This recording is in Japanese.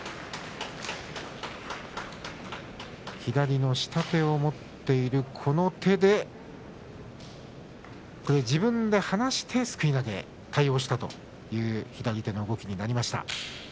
左の下手を持っている手で自分で離してすくい投げ対応をしたという左手の動きになりました。